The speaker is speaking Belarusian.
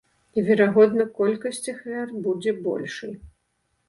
І верагодна, колькасць ахвяр будзе большай.